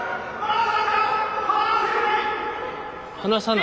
離さない。